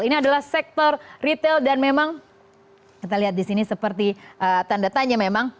ini adalah sektor retail dan memang kita lihat di sini seperti tanda tanya memang